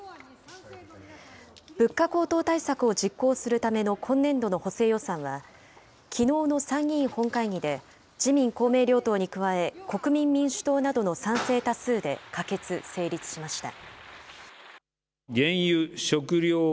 物価高騰対策を実行するための今年度の補正予算は、きのうの参議院本会議で、自民、公明両党に加え、国民民主党などの賛成多数で可決・成立しました。